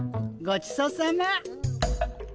ごちそうさま。